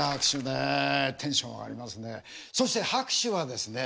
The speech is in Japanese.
そして拍手はですね